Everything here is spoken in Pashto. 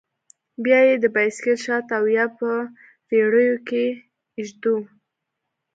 بيا يې د بايسېکل شاته او يا په رېړيو کښې ږدو.